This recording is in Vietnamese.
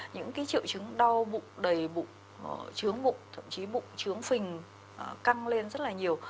những cái triệu chứng đau bụng đầy bụng chướng bụng thậm chí bụng chướng phình căng lên rất là nhiều